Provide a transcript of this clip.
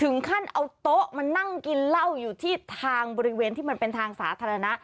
เอาโต๊ะมานั่งกินเหล้าอยู่ที่ทางบริเวณที่มันเป็นทางสาธารณะ